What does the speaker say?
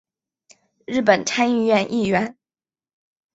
日本参议院议员。